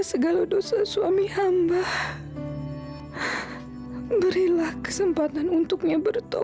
sampai jumpa di video selanjutnya